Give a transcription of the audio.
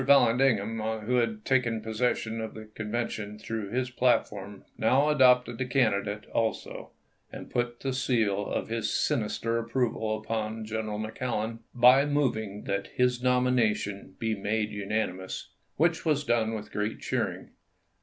Vallandigham, who had taken possession of the Convention through his platform, now adopted the candidate also, and put the seal of his sinister approval upon General McClellan by moving that his nomination be made unanimous, which was done with great cheering.